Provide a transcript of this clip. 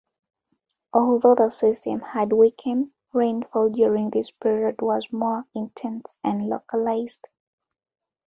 Although the system had weakened, rainfall during this period was more intense and localized.